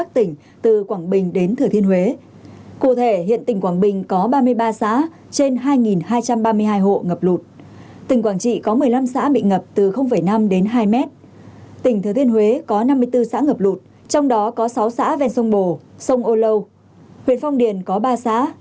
tỉnh thừa thiên huế có năm mươi bốn xã ngập lụt trong đó có sáu xã ven sông bồ sông âu lâu huyện phong điền có ba xã